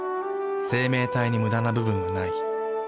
生命体にムダな部分はない。